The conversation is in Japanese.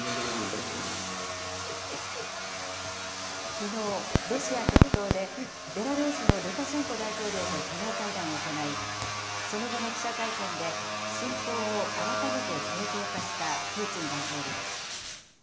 きのう、ロシア極東で、ベラルーシのルカシェンコ大統領と首脳会談を行い、その後の記者会見で、侵攻を改めて正当化したプーチン大統領。